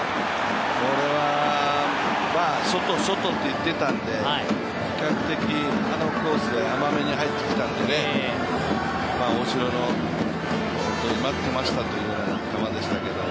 これは外、外っていってたんで、比較的あのコースで甘めに入ってきたんで大城の待ってましたというような球でしたけれども。